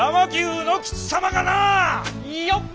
よっ！